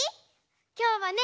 きょうはね